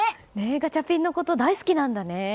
ガチャピンのこと大好きなんだね。